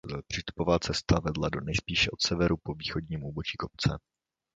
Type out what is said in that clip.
Přístupová cesta vedla nejspíše od severu po východním úbočí kopce.